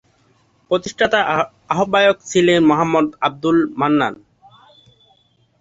প্রতিষ্ঠাতা আহ্বায়ক ছিলেন মুহাম্মদ আব্দুল মান্নান।